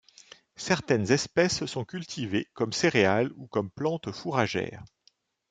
Certaines espèces sont cultivées comme céréales ou comme plantes fourragères.